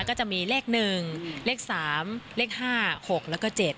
ก็จะมีเลข๑เลข๓เลข๕๖แล้วก็๗